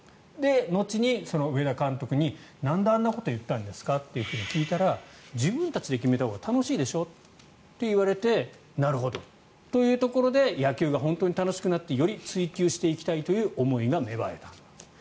後に上田監督になんであんなことを言ったんですか？と聞いたら自分たちで決めたほうが楽しいでしょと言われてなるほどというところで野球が本当に楽しくなってより追究していきたいという思いが芽生えた。